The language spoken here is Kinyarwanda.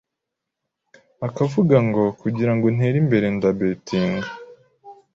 akavuga ngo kugira ngo ntere imbere ndabettinga